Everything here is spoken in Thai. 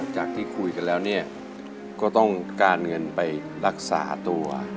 จากที่คุยกันแล้วเนี่ยก็ต้องการเงินไปรักษาตัว